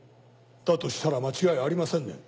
だとしたら間違いありませんね。